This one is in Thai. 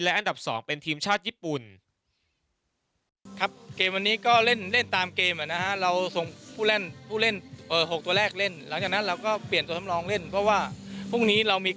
อันดับ๒เป็นทีมชาติญี่ปุ่น